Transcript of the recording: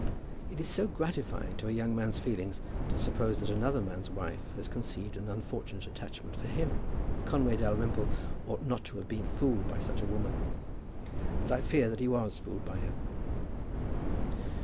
It is so gratifying to a young man's feelings to suppose that another man's wife has conceived an unfortunate attachment for him! Conway Dalrymple ought not to have been fooled by such a woman; but I fear that he was fooled by her.